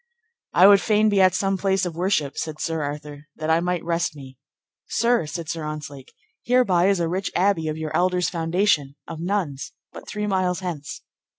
I would fain be at some place of worship, said Sir Arthur, that I might rest me. Sir, said Sir Ontzlake, hereby is a rich abbey of your elders' foundation, of nuns, but three miles hence.